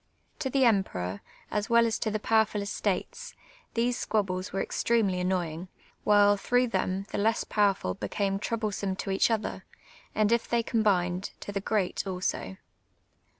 To the emperor, as ^vell as to the ]io\verful I'states, these squabbles were extremely annoyin*^, while, throu{j;h them, the less pow erful became troublesome to each other, and if they combined, to the «^eat also.